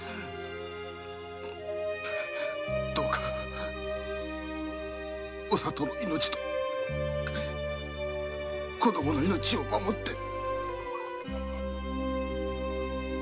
どうかお里の命と子供の命を守って。